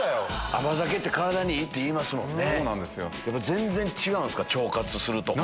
甘酒って体にいいっていいますもんね。